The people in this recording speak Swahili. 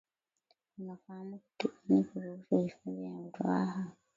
unafahamu kitu gani kuhusu hifadhi ya ruaha